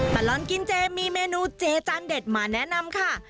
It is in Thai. ตลอดกินเจมีเมนูเจจานเด็ดมาแนะนำค่ะ